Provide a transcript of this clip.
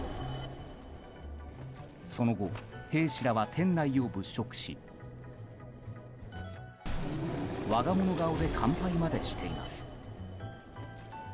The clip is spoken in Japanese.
その後、兵士らは店内を物色し我が物顔で乾杯までしています。